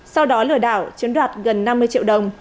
sau đó lừa đảo chiếm đoạt gần năm mươi triệu đồng